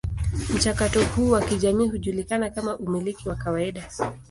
Mchakato huu wa kijamii hujulikana kama umiliki wa kawaida.